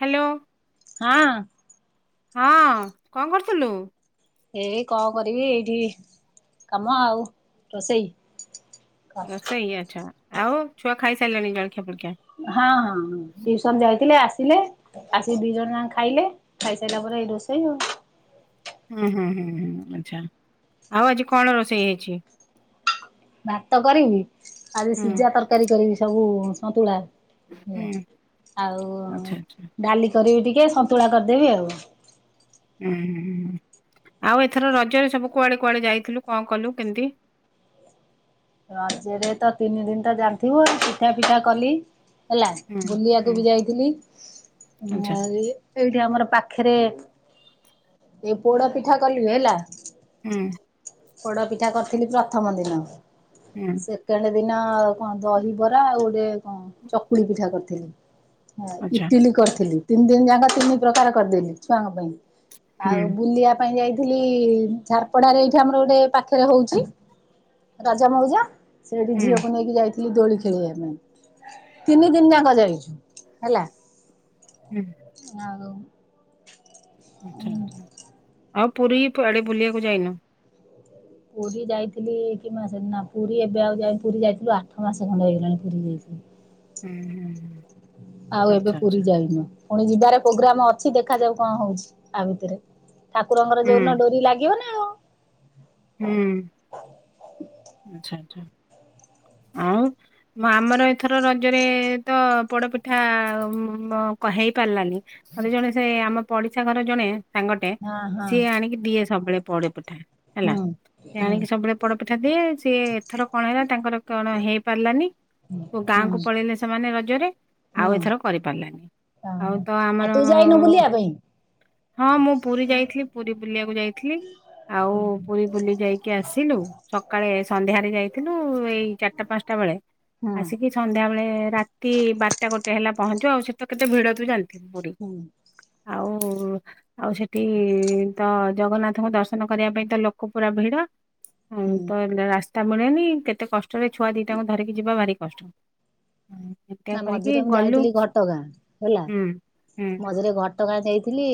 Hello ହଁ। ହଁ କଣ କରୁଥିଲୁ? ଏଇ କଣ କରିବି ଏଇଠି କାମ ଆଉ ରୋଷେଇ ହଁ ରୋଷେଇ ଆଚ୍ଛା ଆଉ ଛୁଆ ଖାଇସାରିଲାଣି ଜଳଖିଆ ଫଳଖିଆ? ହଁ ହଁ ଟ୍ୟୁଉସନ ଯାଇଥିଲେ ଆସିଲେ ଆସିକି ଦି ଜଣ ଯା ଖାଇଲେ ଖାଇସାରିଲା ପରେ ଏଇ ରୋଷେଇ ଆଉ ହୁଁ ହୁଁ ହୁଁ ହୁଁ ଆଛା ଆଉ ଆଜି କଣ ରୋଷେଇ ହେଇଛି? ଭାତ କରିବି ଆଜି ହୁଁ ସିଝା ତରକାରୀ କରିବି ସବୁ ସନ୍ତୁଳା ହୁଁ ଆଉ ଆଚ୍ଛା ଆଚ୍ଛା ଡାଲି କରିବି ଟିକେ ସନ୍ତୁଳା କରିଦେବି ଆଉ। ଉୁଁ ହୁଁ ହୁଁ ଆଉ ଏଥର ରଜରେ ସବୁ କୁଆଡେ କୁଆଡେ ଯାଇଥିଲୁ କଣ କଲୁ କେମିତି? ରଜରେ ତ ତିନି ଦିନ ତା ଜାଣିଥିବୁ ପିଠା ପିଠା କଲି ହେଲା ହୁଁ ବୁଲିବାକୁ ହୁଁ ବି ଯାଇଥିଲି ଆଚ୍ଛା ଆ ସେଇଠି ଆମର ପାଖରେ ଏ ପୋଡା ପିଠା କଲି ହେଲା ହୁଁ। ପୋଡ଼ପିଠା କରିଥିଲି ପ୍ରଥମ ଦିନ ହୁଁ ସେକେଣ୍ଡ ଦିନ କଣ ଦହିବରା ଆଉ ଗୋଟେ କଣ ଚକୁଳି ପିଠା କରିଥିଲି। ଆଚ୍ଛା ଇଟିଲି କରିଥିଲି ତିନି ଦିନ ଯାକ ତିନି ପ୍ରକାର କରିଦେଲି ଛୁଆଙ୍କ ପାଇଁ ହୁଁ ଆଉ ବୁଲିବା ପାଇଁ ଯାଇଥିଲି ଝାରପଡାରେ ଏଇଠି ଆମର ଗୋଟେ ପାଖରେ ହଉଛି ମଉଜା ସେଠି ହୁଁ ଝିଅକୁ ନେଇକି ଯାଇ ଦୋଳି ଖେଳିବା ପାଇଁ ତିନି ଦିନ ଯାକ ଯାଇଛୁ ହେଲା। ହୁଁ। ଆ ଆଚ୍ଛା ଆଚ୍ଛା ଆଉ ପୁରୀ ଆଡ଼େ ବୁଲିବାକୁ ଯାଇନୁ? ପୁରୀ ଯାଇଥିଲି କି ମାସ ନା ପୁରୀ ଏବେ ଆଉ ଯ ପୁରୀ ଯାଇଥିଲୁ ଆଠ ମାସ ଖଣ୍ଡେ ହେଇଗଲାଣି ପୁରୀ ଯାଇଥିଲି। ହୁଁ ହୁଁ ହୁଁ। ଆଉ ଏବେ ଆଚ୍ଛା ପୁରୀ ଆଚ୍ଛା ଯାଇନୁ। ପୁଣି ଯିବାରେ ପ୍ରୋଗ୍ରାମ ଅଛି ଦେଖାଯାଉ କଣ ହଉଛି ଆ ଭିତରେ ଠାକୁରଙ୍କର ହୁଁ ଯୋଉ ଦିନ ଡୋରି ଲାଗିବ ନା ଆଉ ହୁଁ ଆଚ୍ଛା ଆଚ୍ଛା ଆଉ ଆମର ଏଥର ରଜରେ ତ ପୋଡପିଠା କହେ ହେଇପାରିଲାନି। ମେ ଜଣେ ସେ ଆମ ପଡିଶା ଘର ଜଣେ ସାଙ୍ଗଟେ ହଁ ସିଏ ଆଣିକି ଦିଏ ସବୁବେଳେ ପୋଡ଼ ପିଠା। ହଁ। ସେ ହୁଁ। ଆଣିକି ସବୁବେଳେ ପଡପିଠା ଦିଏ ସିଏ ଏଥର କଣ ହେଲା ତାଙ୍କର କଣ ହେଇପାରିଲାନି। କୋଉ ହୁଁ ଗାଁ କ ପଳେଇଲେ ସେମାନେ ରଜରେ। ଆଉ ହୁଁ ଏଥର କରିପାରିଲାନି ଆଉ ହୁଁ ତ ଆଉ ଆମର ତୁ ଯାଇନୁ ବୁଲିବା ପାଇଁ? ହଁ ମୁଁ ପୁରୀ ଯାଇଥିଲି ପୁରୀ ବୁଲିବାକୁ ଯାଇଥିଲି ଆଉ ପୁରୀ ବୁଲି ଯାଇକି ଆସିଲୁ ସକାଳେ ସନ୍ଧ୍ୟାରେ ଯାଇଥିଲୁ ଏଇ ଚାରିଟା ପାଞ୍ଚଟା ବେଳେ। ହଁ। ଆସିକି ସନ୍ଧ୍ୟାବେଳେ ରାତି ବାରଟା ଗୋଟେ ହେଲା ପହଞ୍ଚୁ ଆଉ ସେ ତ କେତେ ଭିଡ ତୁ ଜାଜିଚୁ। ପୀ ହୁଁ ଆଉ ଆଉ ସେଠି ତ ଜଗନ୍ନାଥ। ତାଙ୍କ ଦର୍ଶନ କରିବା ପାଇଁ ତ ଲୋକ ପୁରା ଭିଡ ତ ହୁଁ ରାସ୍ତା ମିଳେନି କେତେ କଷ୍ଟ ଷ୍ଟରେ ଛୁଆ ଦୁଇଟାଙ୍କୁ ଧରିକି ଯିବା ଭାରି କଷ୍ଟ। ଉଁ, ଏମିତିଆ ନା କରିକି ମଝିରେ ମୁଁ ଗଲୁ ଯାଇଥିଲି ଘଟଗାଁ ହେଲା ହୁଁ ହୁଁ ମଝିରେ ଘଟ ପଟଗାଁ ଯାଇଥିଲି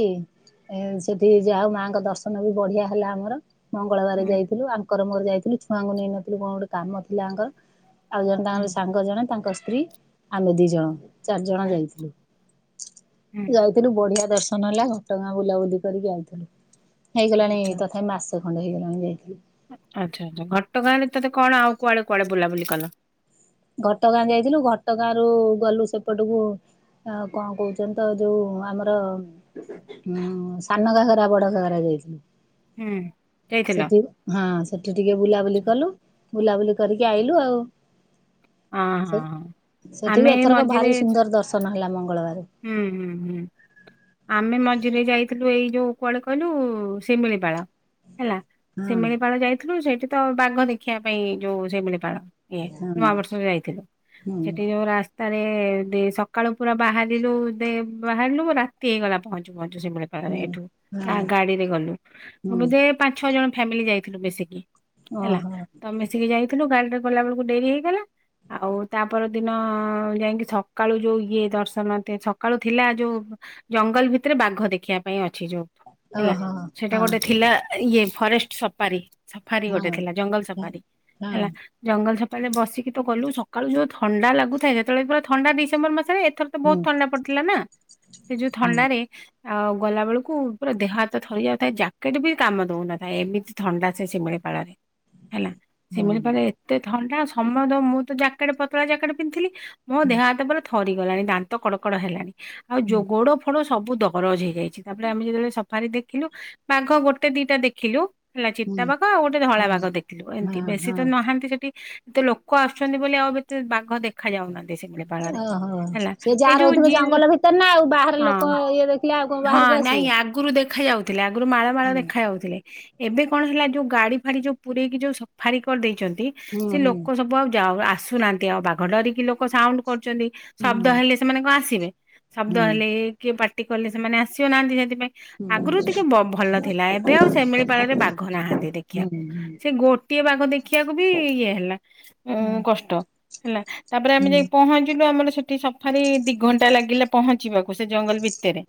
ଏ ସେଠି ଯା ହଉ ମାଙ୍କ ଦର୍ଶନ ବି ବଢିଆ ହେଲା ଆମର। ମଙ୍ଗଳବାର ହୁଁ ଯାଇଥିଲୁ ଆଙ୍କର ମର ଯାଇଥିଲୁ ଛୁଆଙ୍କୁ ନେଇନଥିଲୁ କଣ ଗୋଟେ କାମ ଥିଲାଙ୍କର। ଆଉ ଜଣେ ହୁଁ ତାଙ୍କର ସାଙ୍ଗ ଜଣେ ତାଙ୍କ ସ୍ତ୍ରୀ। ଆମେ ଦି ଜଣ ଚାରି ଜଣ ଯାଇଥିଲୁ ହୁଁ ଯାଉ। ସେରୁ ବଢିଆ ଦର୍ଶନ ହେଲା ଘଟଗାଁ ବୁଲାବୁଲି କରିକି ଯାଇଥିଲୁ ହେଇଗଲାଣି ଆଚ୍ଛା ତଥାପି ମାସ। ତଣ୍ଡ ହେଇିଣି ଯାଇଥିଲି। ଆଚ୍ଛା ଆଚ୍ଛା ଘଟଗାଁରେ ତତେ କଣ ଆଉ କୁଆଡେ କୁଆଡେ ବୁଲାବୁଲି କଲ ଘଟଗାଁ ଯାଇଥିଲୁ ଘଟଗାଁ ରରୁ ଗଲୁ ସେପଟକୁ। ଆ କଣ କହୁଛନ୍ତି ତ ଯୋଉ ଆମର ହୁଁ ସାନ କାଖରା ବଡରା ଯାଇଥିଲୁ। ହୁଁ ଯଇଥିଲ। ସେଠି ହଁ ସେଠି ଟିକେ ବୁଲାବୁଲି କଲୁ ବୁଲାବୁଲି କରିକି ଆଇଲୁ ଆଉ। ହଁ ହଁ ସେ ହଁ ସେଠି ଆମେ ବି ଏଇ ଏଥରକ ମଝିରେ ଭାରି ସୁନ୍ଦର ଦର୍ଶନ ହେଲା ମଙ୍ଗଳବାର। ହୁଁ ହୁଁ। ହୁଁ ହୁଁ। ଆମେ ମଝିରେ ଯାଇଥିଲୁ ଏଇ ଯୋଉ କୁଆଡେ କହିଲୁ ଶିମିଳିପଳ ହେଲା। ହଁ ଶିମିଳିପାଳ ଯାଇଥିଲୁ ସେଇଠି ତ ବାଘ ଦେଖିବା ପାଇଁ ଯୋଉ ଶିମିଳିପାଳ। ଇ ହଁ। ନୂଆବର୍ଷରେ ଯାଇଥିଲୁ ହୁଁ ସେଠି ଯୋର ତାରେ ସକାଳୁ ପୁରା ବାହାରିଲୁ ବାହାରିଲୁ ରାତି ହେଇଗଲା ପହଞ୍ଚୁ ପହଞ୍ଚୁ ସେଭ ହୁଁ ଏଠୁ ହଁ ଗାଡିରେ ଗଲୁ ହୁଁ ବୋଧେ ପାଞ୍ଚ ଛଅ ଜଣ ଫ୍ୟାମିଲି ଯାଇଥିଲୁ ବେଶିକି। ହେଲା ଓହୋ ତମ ମିଶିକି ଯାଇଥିଲୁ ଗାଡିରେ ଗଲା ବେଳକୁ ଡେରି ହେଇଗଲା। ଆଉ ତାପ ଦିନ ଯାଇକି ସକାଳୁ ଯୋଉ ଇଏ ଦର୍ଶନ ସକାଳୁ ଥିଲା ଯୋଉ ଜଙ୍ଗଲ ଭିତରେ ବାଘ ଦେଖିବା ପାଇଁ ଅଛି ଯୋଉ ହେଲା ଓହୋ ସେଇଟା ହଁ। ଗୋଟେ ଥିଲା। ଇଏ ଫରେଷ୍ଟ ସଫାରୀ ସଫାରି ଗୋଟେ ହଁ। ଥିଲା ଜଙ୍ଗଲ ସଫାରୀ ହଁ ହେଲା। ଜଙ୍ଗଲ ସପାେ ବସିକି ତ ଗଲୁ ସକାଳୁ ଯୋଉ ଥଣ୍ଡା ଲାଗୁଥାଏ ଯେତେବେଳେ ପୁରା ଥଣ୍ଡା ଡିସମ୍ବର ମାସରେ ଏଥର ତ ବହୁତ ଥଣ୍ଡା ପଡିଥିଲା ନା ସେ ଯୋଉ ଥଣ୍ଡାରେ। ଆଉ ଗଲା ବେଳକୁ ପୁରା ଦେହ ହାତ ଥରି ଯାଉଥାଏ ଜ୍ୟାକେଟ ବି କାମ ଦଉନଥାଏ ଏମିତି। ଥଣ୍ଡା ସେିମିଳି ପାାଳରେ। ହେଲା ସେମିଳି ପରେ ଏତେ ଥଣ୍ଡା ସମୟ ମୁଁ ତ ଜାକେଟ ପତଳା ଜାକେଟେ। ପିନ୍ଧଥିଲି ମୋ ଦେହ ହାତ ପରେ ଥରିଗଲାଣି ଦାନ୍ତ କଡକଡ ହେଲାଣି ଆଉ ଯ ବୋଡ ଫୋଡ ସବୁ ଦରଜ ହେଇଯାଇଛି ତାପରେ ଆମେ ଯେତେବେଳେ ବାରି ଦେଖିଲୁ ବାଘ ଗୋଟେ ଦିଟା ଦେଖିଲୁ। ହେଲା ହଁ ଚିତାବାାଗ ଆଉ ଗୋଟେ ଧଳା ବାାଗ ଦେଖିଲୁ ଏମିତି ବେଶୀ ତ ନାହାନ୍ତି ସେଠି ଏତେ ଲୋକ ଆସୁଛନ୍ତି ବୋଲି ଆଉ ଏତେ ବାଘ ଦେଖ। ଖାଯାଉନାନ୍ତି ସିମଡ଼େ ପାଳରେ ହେଲା ଏଇ ଯୋଉ ଯି ତ ନା ଆଉ ବାହହାର ଲୋକ ଇଏ ଦେଖିଲେ ଆଉ କଣ ବାହାରକୁ ଆସିବି। ଆଗୁରୁ ଦେଖା ଯାଉଥିଲେ ଆଗରୁ ମାଳ ମାଳ ଦେଖାଯ ଯାଉଥିଲେ ଏବେ କଣ ହେଲା ଯୋଉ ଗାଡି ଫାଡି ଯୋଉ ପୁରରେଇକି ଯୋଉ ସଫାରି କରିଦେଇଚନ୍ତି ହୁଁ ସେ ହୁଁ ଲୋକ ସବୁ ଆଉ ଯାଉ ଆସୁନାହାନ୍ତି ଆଉ ବାଘ ଡରିକି ଲୋକ ସାଉଣ୍ଡ କରୁଚନ୍ତି ଶବ୍ଦ ହେଲେ ସେମାନଙ୍କ ଆସିବେ। ହୁଁ ଶବ୍ଦ ହେଲେ କିଏ ପାର୍ଟି କଲେ ସେମାନେ ଆସିବ ନାହାନ୍ତି ସେଥିପାଇଁ। ହୁଁ। ଆଗରୁ ଟିକେ ଭଲ ଥିଲା ଏବେ ଆଉ ଶମିଳି ପାଳରେ ବାଘ ନାହାନ୍ତି ହୁଁ ଦେଖିବାକୁ। ହୁଁ ସେ ଗୋଟିଏ ବାଘ ଦେଖିବାକୁ ବି ଇଏ ହେଲା। ଉଁ କଷ୍ଟ ହେଲା ତାପରେ ଆମେ ଯାଇ ହଁ ପହଞ୍ଚିଲୁ ଆମର ସେଠି ସ ଖାଲି ଦି ଘଣ୍ଟା ଲାଗିଲା ପହଞ୍ଚିବାକୁ ସେ ଜଙ୍ଗଲ ଭିତରେ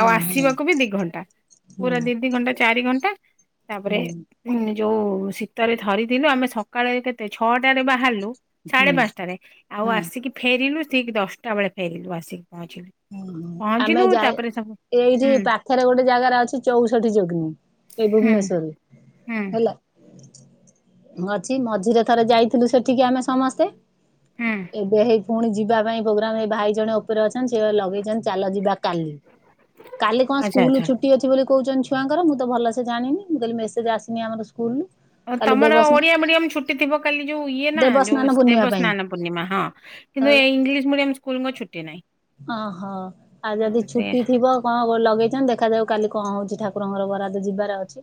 ଆଉ ଆସିବାକୁ ବି ଦିଘଣ୍ଟା। ହଁ ପୁରା ଦି ଦି ଘଣ୍ଟା ଚାରି ଘଣ୍ଟା ତାପରେ ହଁ ଉଁ ଯୋଉ ଶୀତରେ ଥରିଥିଲୁ ଆମେ ସକାଳେ କେତେ ଛଅଟରେ ବାହାରିଲୁ ସାଢେ ହଁ ପାଞ୍ଚଟାରେ ଆଉ ଆସିକି ଫେରିଲୁ ଠିକ ଦଶଟା ବେଳେ ଫେରିଲୁ ଆସିକି ପହଞ୍ଚିଲୁ। ଆମେ ପହଞ୍ଚିଲୁ ଯାଇ ତାପରେ ସବୁ ଏଇଠି ହୁଁ ପାଖରେ ଗୋଟେ ଜାଗାର ଅଛି ଚଉଷଠି ଯଗ୍ନି ଏଇ ହୁଁ ଭୁବନେଶ୍ୱରରେ। ହୁଁ। ଅଛି ମଝିରେ ଥରେ ଯାଇଥିଲୁ ସେଠିକି ଆମେ ସମସ୍ତେ। ହୁଁ ଏବେ ହେଇ ପୁଣି ଯିବା ପାଇଁ ପ୍ରୋଗ୍ରାମ ଏଇ ଭାଇ ଜଣ ଉପରେ ଅଛନ୍ତି ଲଗେଇଚନ୍ତି ଚାଲ ଯିବା କାଲି। କାଲି କଣ ଆଚ୍ଛା ସ୍କୁଲୁ ଆଚ୍ଛା ଛୁଟି ଅଛି ବୋଲି କହୁଚନ୍ତି ଛୁ ଛୁଆଙ୍କର ମୁ ତ ଭଲସେ ଜାଣିନି ମୁଁ କହଲି ମେସେଜ ଆସିନି ଆମର ସ୍କୁଲରୁ। କାଲି ତମର ଦେବସ୍ନା ଓଡିଆ ମିଡିୟମ ଛୁଟି ଥିବ କାଲି ଯୋଉ ଇଏ ନା ଦେବସ୍ନାନ ଯୋଉ ପୂର୍ଣ୍ଣିମା ଦେବସ୍ନାନ ପାଇଁ ପୂର୍ଣ୍ଣିମା ହଁ। କିନ୍ତୁ ଏ ଇଂଲିଶ ମିଡିୟମ ସ୍କୁଲଙ୍କ ଛୁଟି ନାହିଁ। ଓହୋ ଆଉ ହଁ, ଯଦି ସେ ଛୁଟି ଥିବ କଣ ଲଗେଇଚନ୍ତି ଦେଖାଯାଉ କାଲି କଣ ହଉଛି ଠାକୁରଙ୍କର ବରାଦ ଯିବାର ଅଛି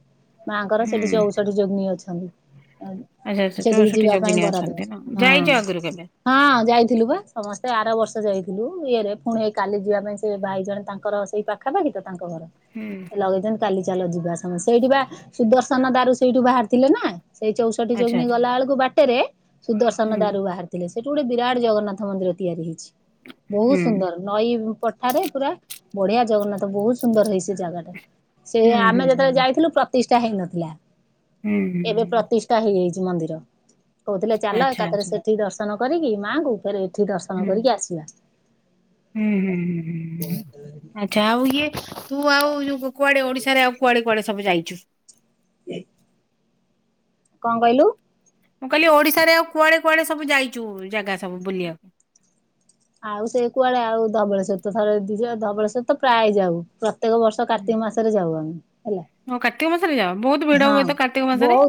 ମାଆଙ୍କର ହୁଁ ସେଠି ଚଉଷଠି ଯୋଗ୍ନୀ ଅଛନ୍ତି। ଆଚ୍ଛା ଆଚ୍ଛା ସେଠିକି ଚଉଷଠି ଯିବା ପାଇଁ ଯୋଗିନୀ ବରାଦ ଅଛନ୍ତି ନା ଯାଇଛ ହଁ। ଆଗରୁ କେବେ ହଁ ଯାଇଥିଲୁ ବା ସମସ୍ତେ ଆର ବର୍ଷ ଯାଇଥିଲୁ। ଇଏରେ ପୁଣି ଏଇ କାଲି ଯିବା ପାଇଁ ସେ ଭାଇ ଜଣେ ତାଙ୍କର ସେଇ ପାଖାପାଖି ତ ତାଙ୍କ ଘର ହୁଁ। ଲଗେଇଚନି କାଲି ଚାଲ ଯିବା ସମୟ ସେଇଠି ବା ସୁଦର୍ଶନ ଦାରୁ ସେଇଠୁ ବାହାରିଥିଲେ ନା ସେଇ ଚାଉଷ ଷଠି ଯୋଗ୍ନୀ ଗଲା ବେଳକୁ ବାଟରେ ସୁଦର୍ଶନ ଦାରୁ ବାହାରି ଥିଲେ। ସେଠୁ ଗୋଟେ ବିରାଟ ଜଗନ୍ନାଥନ୍ଦିର ତିଆରି ହେଇଚି। ବହୁତ ସୁନ୍ଦର ନଈ ପଠାରେ ପୁରା ବଢିଆ ଜଗନ୍ନାଥ ବହୁତ ସୁନ୍ଦର ହେଇ ସେ ଜାଗାଟା। ସେ ଆମେ ଯେତେବେଳେ ଯାଇଥିଲୁ ପ୍ରତିଷ୍ଠା ହେଇନଥିଲା। ଏବେ ପ୍ରତିଷ୍ଠା ହେଇଯାଇଚି ମନ୍ଦିର କହୁଥିଲେ ଚାଲ ଏକାଥରେ ସେଠି ଦର୍ଶନ ଦର୍ଶନ କରିକି ମାଆଙ୍କୁୁ ଫେରେ ଏଠି ଦର୍ଶନ କରିକି ଆସିବା। ହୁଁ ହୁଁ ହୁଁ ହୁଁ ଆଚ୍ଛା ଆଉ ଇଏ ତୁ ଆଉ ଯଉ କୁଆଡେ ଓଡିଶାରେ ଆଉ କୁଆଡେ କୁଆଡେ ସବୁ ଯାଇଚୁ? [inaudible] କଣ କହିଲୁ? ମୁଁ କହିଲି ଓଡିଶାରେ ଆଉ କୁଆଡେ କୁଆଡେ ସବୁ ଯାଇଚୁ ଜାଗା ସବୁ ବୁଲିବାକୁ? ଆଉ ସେ କୁଆଡେ ଆଉ ଧବଳେସର ଥରେ ଦିଥ ଧବଳସର ତ ପ୍ରାୟ ଯାଉ। ପ୍ରତ୍ୟେକ ବର୍ଷ କାର୍ତ୍ତିକ ମାସରେ ଯାଉ ଆମେ ହେଲା। ହଉ କାର୍ତ୍ତିକ ମାସରେ ଯାଅ ବହୁତ ଭିଡ ହୁଏ ତ କାର୍ତ୍ତିକ ମାସରେ?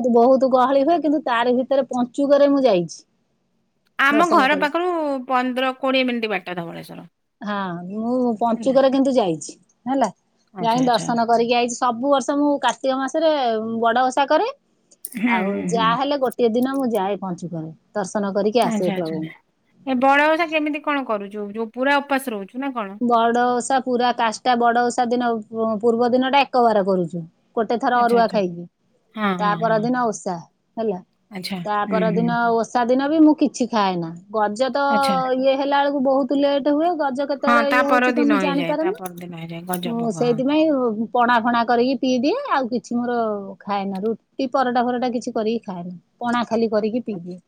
ତୁ ଗହଳି ହୁଏ କିନ୍ତୁ ତାରି ଭିତରେ ପଞ୍ଚୁକରେ ମୁଁ ଯାଇଚି। ଆମ ଘର ପାଖରୁ ପନ୍ଦର କୋଡ଼ିଏ ମିନିଟ୍ ବାଟ ଧବଳେଶ୍ୱର। ହଁ ମୁଁ ପଞ୍ଚୁକରେ କିନ୍ତୁ ଯାଇଛି ହେଲା ଆଚ୍ଛା ଯାଇ ଆଚ୍ଛା ଦର୍ଶନ କରିକି ଆଇଛି ସବୁ ବର୍ଷ ମୁଁ କାର୍ତ୍ତିକ ମାସରେ ବଡ଼ ଓଷା କରେ। ହୁଁ ଆଉ ହୁଁ ହୁଁ ଯାହା ହେଲେ ଗୋଟିଏ ଦିନ ମୁଁ ଯାଏ ପହଞ୍ଚୁ କରେ ଦର୍ଶନ କରିକି ଆସେ ଆଚ୍ଛା ଆଚ୍ଛା ପ୍ରଭୁଙ୍କୁ। ଏ ବଡ଼ ଓଷା କେମିତି କଣ କରୁଛୁ ଯୋଉ ପୁରା ଉପାସ ରହୁଛୁ ନା କଣ? ବଡ ଓଷା ପୁରା କାଶଟା ବଡ ଓଷା ଦିନ ପୂର୍ବ ଦିନ ଟା ଏକ ବାର କରୁଛୁ। ଗୋଟେ ଥର ଆଚ୍ଛା ଅରୁଆ ଆଚ୍ଛା ଖାଇକି। ହଁ ତା ହଁ ହଁ ପରଦିନ ଓଷା ହେଲା ଆଚ୍ଛା ତା ହୁଁ ପର ହୁଁ ଦିନ ହୁଁ ଆଉ ଓ ସାଦିନ ବି ମୁଁ କିଛି ଖାଏ ନା ଗଜ ତ ଆଚ୍ଛା ଇଏ ହେଲା ବଳକୁ ବହୁତ ଲେଟ୍ ହୁଏ। ଗଜ ହଁ କେତେବେଳେ ତା ଇଏ ହୋଉଛି ତ ପରଦିନ ମୁଁ ହେଇଯାଏ ତା ଜାଣିପାରୁନି ପରଦିନ ହେଇଯାଏ ମୁଁ ଗଜଭୋଗ ହଁ। ସେଇଥିପାଇଁ ହୋଉ ପଣା ଫଣା କରିକି ପିଇ ଦିଏ ଆଉ କିଛି ମୋର ଖାଏନା ରୁଟି ପରଟା ଫରଟା କିଛି କରିକି ଖାଏନା। ପଣା ଖାଲି କରିକି ପିଇଦିଏ।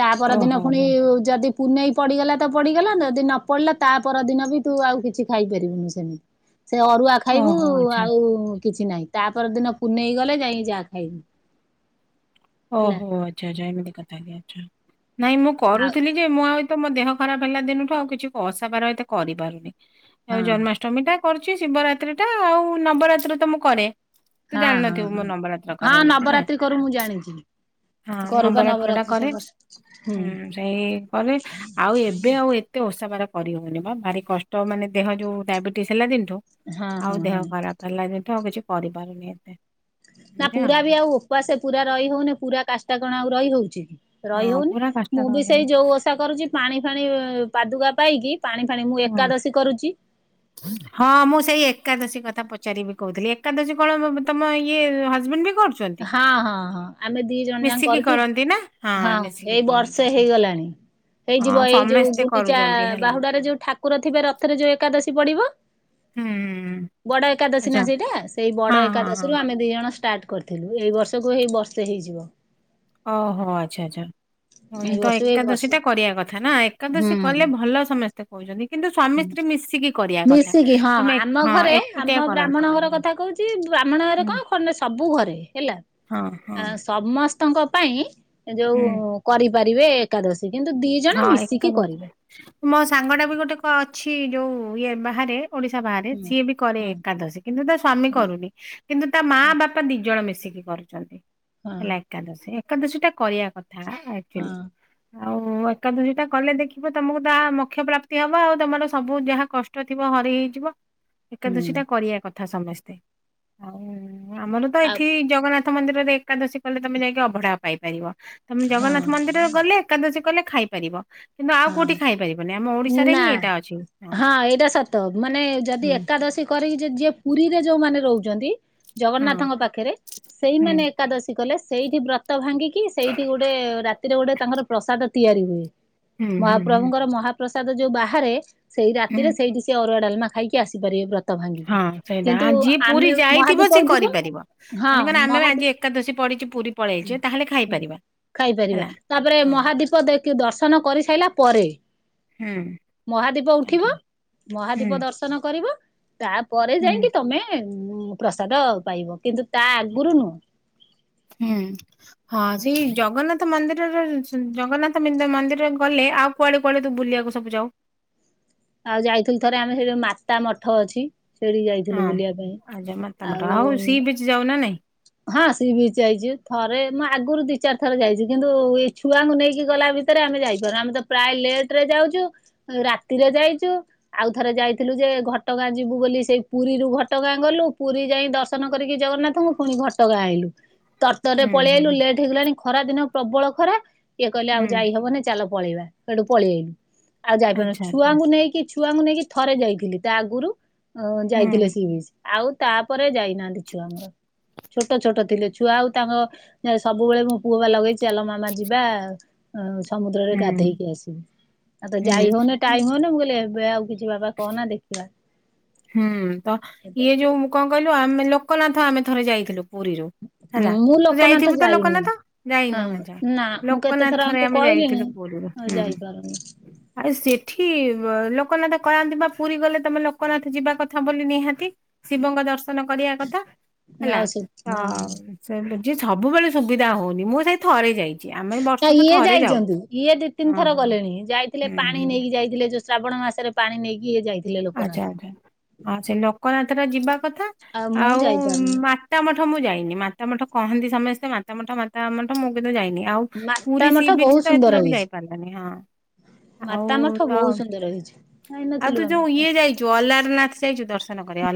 ତା ଓହୋ ପରଦିନ ପୁଣି ହୋ ଯଦି ପୁନେଇ ପଡିଗଲା ତ ପଡିଗଲା ଯଦି ନ ପଡିଲା ତା ପର ଦିନ ବି ତୁ ଆଉ କିଛି ଖାଇ ପାରିବୁନୁ ସେମି ସେ ଅରୁଆ ଖାଇବୁ ଓହୋ ଆଚ୍ଛା ଆଉ କିଛି ନାହିଁ ତା ପରଦିନ ପୁନେଇ ଗଲେ ଯାଇକି ଯାହା ଖାଇବୁ। ହେଲା ଓହୋ ଆଚ୍ଛା ଆଚ୍ଛା ଏମିତି କଥା କି ଆଛା ନାଇଁ ମୁଁ ଆଉ କରୁଥିଲି ଯେ ମୁଁ ଆଉ ତମ ଦେହ ଖରାପ ହେଲା ଦିନଠୁ ଆଉ କିଛି ଓସାବାର ଏତେ କିଛି କରିପାରୁନି ହଁ ଆଉ ଜନ୍ମାଷ୍ଟମୀ। ଅଷ୍ଟମୀ ଟା କରୁଛି ଶିବରାତ୍ରିଟା ଆଉ ନବରାତ୍ରି ତ ମୁଁ କରେ। ତୁ ହଁ ହଁ ଜାଣିନଥିବୁ ମୁଁ ହଁ ନବରାତ୍ର ହଁ କରେ ବୋଲି ନା? ନବରାତ୍ରି କରୁ ମୁଁ ଜାଣିଚି। ହଁ ନବରାତ୍ର ଟା କରେ ହୁଁ ସେଇ କରେ ଆଉ ଏବେ ଆଉ ଏ ଏତେ ଓଷା ବାର କରିହଉନି ବା ଭାରି କଷ୍ଟ ମାନେ ଦେହ ଯେଉଁ ଡାଇବେଟିସ୍ ହେଲା ଦିନଠୁ ହଁ ହଁ ଆଉ ହଁ ଦେହ ଖରାପ ହେଲା ଯେଠୁ ଆଉ କିଛି କରିପାରୁନି ଏତେ। ନା ପୁରା ବି ଆଉ ଉପାସେ ପୁରା ରହି ହଉନି ପୁରା କାଷ୍ଟା କଣ ଆଉ ରହି ହଉଛି କି? ରହି ହଁ ହଉନି ପୁରା କଷ୍ଟ ମୁଁ ବି ରହିଗଲି ସେଇ ଯୋଉ ଓ ଓଷା କରୁଛି ପାଣି ଫାଣି ପାଦୁକା ପାଇକି ପାଣି ଫାଣି ମୁଁ ହୁଁ ଏକାଦଶୀ କରୁଛି। ହଁ ମୁଁ ସେଇ ଏକାଦଶୀ କଥା ପଚାରିବି କହୁଥିଲି ଏକାଦଶୀ କଣ? ତମ ଇଏ ହଜବେଣ୍ଡ ବି କରୁ ହଁ ହଁ ହଁ ଆମେ ଦି ଜଣ ଯାକ ମିଶିକି କରୁଛୁ କରନ୍ତି ନା ହଁ ମିଶିକି ଏଇ କରନ୍ତି। ବର୍ଷେ ହେଇଗଲାଣି। ହେଇଯିବ ହଁ ଏଇ ଯୋଉ ସମସ୍ତେ ଗୁଣ୍ଡିଚା କରୁଛନ୍ତି ହେଲା ବାହୁଡାରେ ଯୋଉ ଠାକୁର ଥିବେ ରଥରେ ଯୋଉ ଏକାଦଶୀ ପଡିବ। ହୁଁ ହୁଁ ବଡ ଏକାଦଶୀ ନା ଆଚ୍ଛା ସେଇଟା ସେଇ ବଡ ହଁ ହଁ ହଁ। ଏକାଦଶୀରୁୁ ଆମେ ଦି ଜଣ ଷ୍ଟାର୍ଟ। କରିଥିଲୁ ଏଇ ବର୍ଷକୁ ହେଇ ବର୍ଷେ ହେଇଯିବ। ଓହୋ ଆଚ୍ଛା ଆଚ୍ଛା। ଏଇ ହନ୍ତ ବର୍ଷକୁ ଏଇ ଏକାଦଶୀ ବର୍ଷେ ଟା କରିବା କଥା ନା ହୁଁ ଏକାଦଶୀ କଲେ ଭଲ ସମସ୍ ତେ କହୁଛନ୍ତି କିନ୍ତୁ ସ୍ଵାମୀ ସ୍ତ୍ରୀ ମିଶିକି କରିବା କଥା ମିଶିକି ହଁ ତମେ ଆମ ହଁ ଏକୁଟିଆ କରନ୍ତିନି। ଚି ବ୍ରାହ୍ମଣ ଘରେ ହୁଁ କଣ ଖନେ ସବୁ ଘରେ ହେଲା। ହଁ ଆ ହଁ। ସମସ୍ତଙ୍କ ପାଇଁ ଯୋଉ ହୁଁ କରିପାରିବେ। ଏକାଦଶୀ କିନ୍ତୁ ଦି ହଁ ଜଣ ମିଶିକି ଏକାଦଶୀ କରିବ। ମୋ ସାଙ୍ଗଟା ବି ଗୋଟେ ଅଛି ଯୋଉ ଇଏ ବାହାରେ। ଓଡିଶା ବାହାରେ ହୁଁ ସିଏ ବି କରେ ହଁ ଏକାଦଶୀ କିନ୍ତୁ ତା ସ୍ଵାମୀ ହଁ କରୁନି। କିନ୍ତୁ ତା ମା ବାପା ଦି ଜଣ ମିଶିକି କରୁଛନ୍ତି ହଁ ହେଲା କି। ଏକାଦଶୀ ଏକାଦଶୀ ଟା କରିବା କଥା ହଁ ହଁ ଆଚୁଆଲି ଆଉ ଏକାଦୁହି ଟା କଲେ ଦେଖିବ ତମକୁ ତା ମକ୍ଷ ପ୍ରାପ୍ତି ହବ ଆଉ ତମର ସବୁ ଯାହା କଷ୍ଟ ଥିବ ହରି ହେଇଯିବ। ଏକାଦଶୀ ଟା ହୁଁ କରିବା କଥା ସମସ୍ତେ ଆଉ ଆମର ତ ଆଉ ଏଠି ଜଗନ୍ନାଥ ମନ୍ଦିରରେ ଏକାଦଶୀ କଲେ ତମେ ଯାଇକି ଅଭଢା ପାଇପାରିବ ତମେ ଜଗନ୍ନାଥ ହଁ ମନ୍ଦିର ଗଲେ ଏକାଦଶି କଲେ ଖାଇପାରିବ। କିନ୍ତୁ ଆଉ କୋଉଠି ଖାଇପାରିବନି ଆମ ହଁ ଓଡିଶାରେ ହିଁ ଏଇଟା ଅଛି ନାଁ ହଁ ଏଇଟା ସତ ମାନେ ଯଦି ହୁଁ ଏକାଦଶୀ କରିକି ଯିଏ ଯିଏ ପୁରୀରେ ଯୋଉମାନେ ରୋହୁଚନ୍ତି, ହଁ ଜଗନ୍ନାଥଙ୍କ ପାଖେରେ ହୁଁ। ସେଇମାନେ ଏକାଦଶୀ କଲେ ସେଇଠି ବ୍ରତ ଭାଙ୍ଗିକି ସେଇଠି ଗୋଟେ ରାତିରେ ଗୋଟେ ତାଙ୍କର ପ୍ରସାଦ ତିଆରି ହୁଏ। ହୁଁ ହୁଁ ହୁଁ ମହାପ୍ରଭୁଙ୍କର ମହାପ୍ରସାଦ ଯୋଉ ବାହାରେ ସେଇ ହୁଁ ରାତିରେ ସେଇଠି ସିଏ ଅରୁଆ ଡାଲମା ଖାଇକି ଆସିପାରିବେ ବ୍ର ହଁ ସେଇଟା ଆ ଯିଏ ପୁରୀ ଯାଇଥିବ ମହାଦୀପ ସିଏ ଉଠିବ କରିପାରିବ ହଁ ମାନେ କଁ ନା ଆମେ ମହାଦୀ ଆଜି ଏକାଦଷୀ ପଡିଚି ପୁରୀ ପଳେଇଚେ ତାହେଲେ ଖାଇପାରିବା। ଖାଇପାରିବା ହେଲା। ତାପେରେ ହଁ ମହାଦୀପ ଦେକ୍ ଦର୍ଶନ କରି ସାଇଲା ପରେ। ହୁଁ ମହାଦୀପ ଉଠିବ ଆଜ୍ଞା ହୁଁ ମହାଦୀପ ଦର୍ଶ ଦର୍ଶନ କରିବ ତାପରେ ହୁଁ ଯାଇଁକି ତମେ ଉଁ ପ୍ରସାଦ ପାଇବ। କିନ୍ତୁ ତା ଆଗୁରୁ ନୁହଁ। ହୁଁଉଁ। ହଁ ସେଇ ଜଗନ୍ନାଥ ମନ୍ଦିରରର ଜଗନ୍ନାଥ ମେନ୍ଦ ମନ୍ଦିରରେ ଗଲେ ଆଉ କୁଆଡେ କୁଆଡେ ତୁ ବୁଲିଆକୁ ସବୁ ଯାଉ? ଆଉ ଯାଇଥିଲୁ ଥରେ ଆମେ ସେଇ ଯୋଉ ମାତା ମଠ ଅଛି। ସେଠିକି ହଁ ଯାଇଥିଲୁ ବୁଲିଆ ପାଇଁ। ଆଉ ଯାଉନା ନାଇଁ। ହଁ ସିଏ ବି ଯାଇଚୁ ଥରେ ମୁଁ ଆଗୁରୁ ଦି ଚାର୍ ଥର ଯାଇଚି କିନ୍ତୁ ଏଇ ଛୁ ଛୁଆଙ୍କୁ ନେଇକି ଗଲା ଭିତେରେ ଆମେ ଯାଇପାରୁ ଆମେ ତ ପ୍ରାୟ ଲେଟ୍ ରେ ଯାଉଚୁ ରାତିରେ ଯାଇଚୁ ଆଉଥରେ ଯାଇଥିଲୁ ଯେ, ଘଟଗାଁ ଯିବୁ ବୋଲି ସେଇ ପୁରୀରୁୁ ଘଟଗାଁ ଗଲୁ ପୁରୀ ଯାଇ ଦର୍ଶ ର୍ଶନ କରିକି ଜଗନ୍ନାଥଙ୍କୁ ଫୁଣି ଘଟଗାଁ ଆଇଲୁ ତରତରରେ ହୁଁ ପଳେଇଆଇଲୁ ହୁଁ ଲେଟ୍ ହେଇଗଲାଣି ଖରା ଦିନ ପ୍ରବଳ ଖରା। ଇଏ କଇଲେ ଆଉ ହୁଁ ଯାଇହବନେଇ ଚାଲ ପଳେଇବା ସେଠୁ ପଳିଆଇଲୁ ଆଉ ଯାଇପାରିବାନେ ଆଚ୍ଛା ଆଚ୍ଛା ଛୁଆଙ୍କୁ ନେଇକି ଛୁ ଛୁଆଙ୍କୁ ନେଇକି ଥରେ ଯାଇଥିଲି ତା ଆଗୁରୁ ଅ ହୁଁ ଯାଇଥିଲେ ସିଏ ବି ଆଉ ତାପରେ ଯାଇନାହାନ୍ତି ଛୁଆ ଆମର। ଛୋଟ ଛୋଟ ଥିଲେ ଛୁଆ ଆଉ ତାଙ୍କ ସବୁବେଳେ ମୋ ପୁଅ ବା ଲଗେଇଚି ଚାଲ ମାମା ଯିବା ଆଉ ସମୁଦ୍ରରେ ହୁଁ ଗାଧେଇକି ଆସିବୁ। ଆଉ ତ ହୁଁ ଯାଇ ହଉନେଇ ଟାଇମ୍ ହଉନେଇ ମୁଁ କଇଲି ଏବେ ଆଉ କି ଛି ବାବା କହନା ଦେଖିବା। ହୁଁ ତ ଇଏ ଯୋଉ ମୁଁ କଁ କଇଲୁ ଆମେ ଲୋକନାଥ ଆମେ ଥରେ ଯାଇଥିଲୁ ପୁରୀରୁ। ହେଲା ମୁଁ ତୁ ଲୋକନାଥ ଯାଇଥିବୁ ତ ଯାଇନି ଲୋକନାଥ ହଁ ଯାଇନୁ ଆଛା ନା ମୁଁ କେତେ ଥର ଲୋକନାଥରେ ଆଙ୍କୁ ଆମେ କହିଲିଣି ଯାଇଥିଲୁ ପୁରୀରୁ। ଆଉ ହୁଁ ଯାଇପାରୁନି। ଆଉ ସେଠି ଲୋକନାଥ କଳାନ୍ତି ପା ପୁରୀ ଗଲେ ତମେ ଲୋ ଜୋକନାଥ ଯିବା କଥା ବୋଲି ନିହାତି ଶିବଙ୍କ ଦର୍ଶ ଦର୍ଶନ କରିଆ କଥା। ହେଲା ଆଉ ସେ ହଁ ଆଉ ସେଇଠି ଯିଏ ସବୁବେଳେ ସୁବିଧା ହଉନି ମୁଁ ସେଇ ଥରେ ଯାଇ ନା ଇଏ ଯାଇଚନ୍ତି ଇଏ ଦି ତିନ ହଁ ଥର ହଁ ଗଲେଣି ଯାଇଥିଲେ ହୁଁ ପାଣି ହୁଁ ନେଇକି ଯାଇଥିଲେ ଯୋ ଶ୍ରାବଣ ମାସେରେ ପାଣି ନେଇକି ଇଏ ଯାଇ ଆଚ୍ଛା। ଆଚ୍ଛା। ହଁ ସେ ଲୋକନାଥଟା ଯିବା କଥା ମୁଁ ଆଉ ଯାଇପାରୁନି ମା ମାତା ମଠ ମୁଁ ଯାଇନି ମାତା ମଠ କହନ୍ତି ସମେସ୍ତେ ମାତା ମଠ ମା ତା ମଠ ମୁଁ କିନ୍ତ ଯାଇନି ଆଉ ମାତା ପୁରୀ ମଠ ସି ବିଚ୍ ବହୁତ ତ ସୁନ୍ଦର ଏଥର ବି ହେଇଛି। ଯାଇ ପାରିଲାନି ହଁଅଁ। ମାତା ମଠ ବହୁତ୍ ସୁନ୍ଦର ହେଇଛି ଯାଇ ନଥି ଆଉ ତୁ ଯୋଉ ଇଏ ଯାଇଛୁ ଅଲାରନାଥ ଯାଇଛୁ ଦର୍ଶନ କରିବାର ଲା